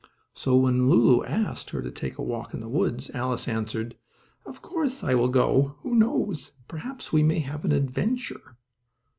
So, when Lulu asked her to take a walk in the woods, Alice answered: "Of course, I will go with you. Who knows, perhaps we may have an adventure!"